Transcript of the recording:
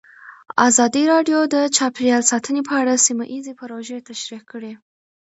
ازادي راډیو د چاپیریال ساتنه په اړه سیمه ییزې پروژې تشریح کړې.